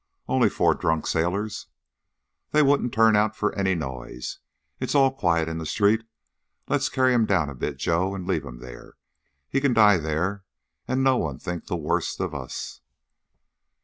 "Only four drunk sailors." "They wouldn't turn out for any noise. It's all quiet in the street. Let's carry him down a bit, Joe, and leave him there. He can die there, and no one think the worse of us."